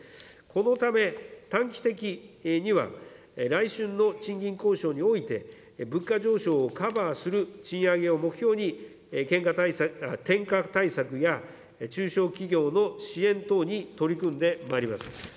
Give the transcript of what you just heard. このため、短期的には、来春の賃金交渉においては、物価上昇をカバーする賃上げを目標に、転嫁対策や中小企業の支援等に取り組んでまいります。